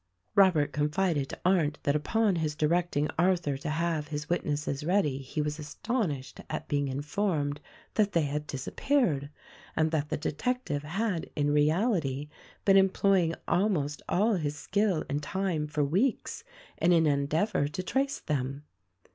Robert confided to Arndt that upon his directing Arthur to have his witnesses ready he was astonished at being in formed that they had disappeared, and that the detective had in reality been employing almost all his skill and time for weeks in an endeavor to trace them.